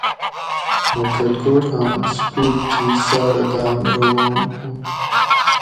مہ کلکوٹ آۤں سکول تھی ساۤرہ داۤم روان ہو